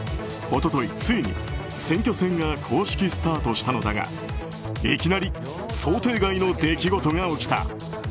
一昨日ついに選挙戦が公式スタートしたのだがいきなり想定外の出来事が起きた。